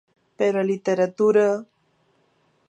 Pero a literatura...!